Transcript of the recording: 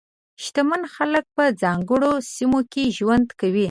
شتمن خلک په ځانګړو سیمو کې ژوند کوي.